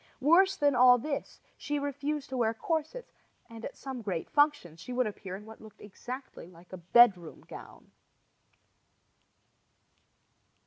Worse than all this, she refused to wear corsets, and at some great functions she would appear in what looked exactly like a bedroom gown.